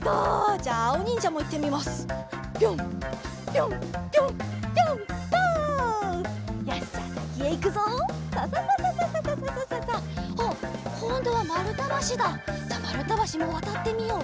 じゃあまるたばしもわたってみよう。